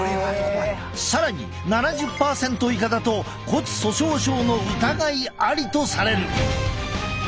更に７０％以下だと骨粗しょう症の疑いありとされる。